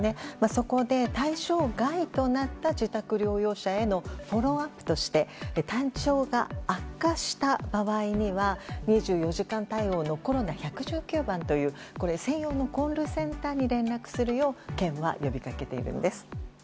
そこで対象外となった自宅療養者へのフォローアップとして体調が悪化した場合には２４時間対応のコロナ１１９番という専用のコールセンターに連絡するよう県は呼び掛けているんです。